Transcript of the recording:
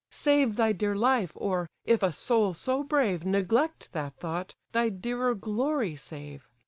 Save thy dear life; or, if a soul so brave Neglect that thought, thy dearer glory save.